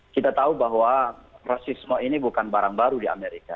kita tahu bahwa rasisme ini bukan barang baru di amerika